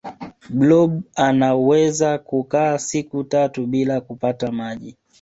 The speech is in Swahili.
blob anawezo kukaa siku tatu bila kupata maji